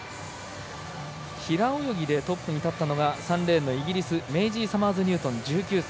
平泳ぎでトップに立ったのが３レーンのイギリスメイジー・サマーズニュートン１９歳。